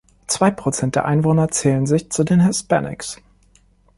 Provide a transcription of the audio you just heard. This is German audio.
Zwei Prozent der Einwohner zählen sich zu den Hispanics.